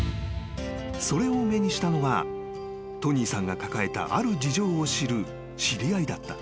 ［それを目にしたのがトニーさんが抱えたある事情を知る知り合いだった。